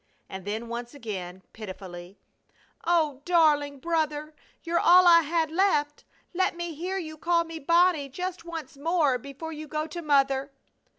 And then once again pitifully: "Oh, darling brother! You're all I had left! Let me hear you call me Bonnie just once more before you go to mother!"